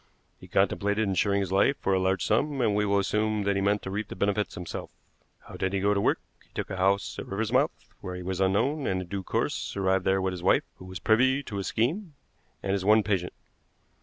He contemplated insuring his life for a large sum, and we will assume that he meant to reap the benefit himself. How did he go to work? He took a house at Riversmouth, where he was unknown, and in due course arrived there with his wife, who was privy to his scheme, and his one patient."